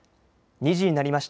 ２時になりました。